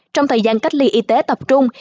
trong thời gian cách ly y tế tập trung